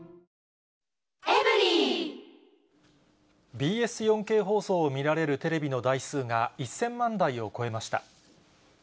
ＢＳ４Ｋ放送を見られるテレビの台数が１０００万台を超えました。